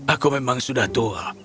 aku memang sudah tua